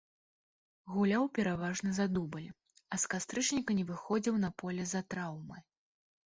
Гуляў пераважна за дубль, а з кастрычніка не выхадзіў на поле з-за траўмы.